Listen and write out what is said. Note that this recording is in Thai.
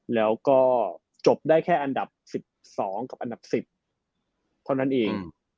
แล้วก็จบได้แค่อันดับ๑๒กับอันดับ๑๐เท่านั้นเอง